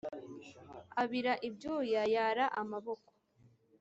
Abira ibyuya yara amaboko